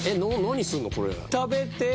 食べて。